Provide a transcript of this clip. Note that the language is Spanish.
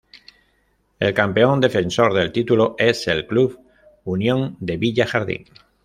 El campeón defensor del título es el club Unión de Villa Jardín.